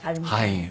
はい。